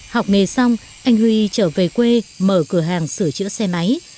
học nghề xong anh huy trở về quê mở cửa hàng sửa chữa xe máy